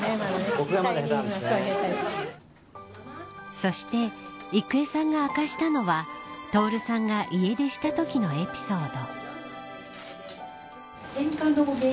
そして郁恵さんが明かしたのは徹さんが家出したときのエピソード。